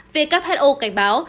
về các who cảnh báo